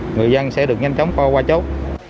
người dân sẽ được nhanh chóng qua chốt